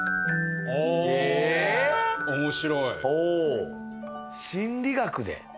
ああ面白い心理学で？